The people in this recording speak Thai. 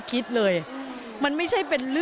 จริงแล้วไม่น่าเป็นห่วงเลยค่ะพ่อ